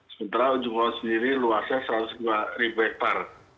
sementara ujung bawah sendiri luasnya satu ratus dua ribu hektare